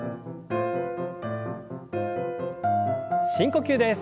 深呼吸です。